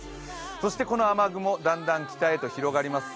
そしてこの雨雲、だんだん北へと広がります。